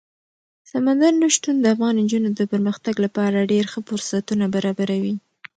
سمندر نه شتون د افغان نجونو د پرمختګ لپاره ډېر ښه فرصتونه برابروي.